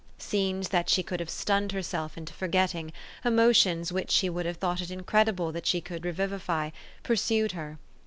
Scenes that she could have stunned herself into forgetting, emotions which she would have thought it incredible that she could revivify, pursued her.